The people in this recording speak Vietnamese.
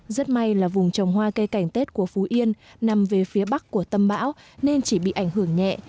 rất may là vùng trồng hoa cây cảnh tết của phú yên nằm về phía bắc của tâm bão nên chỉ bị ảnh hưởng nhẹ